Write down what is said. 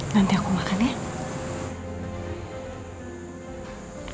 nanti aku makan ya